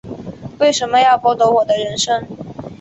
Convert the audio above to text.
为什么要剥夺我的人生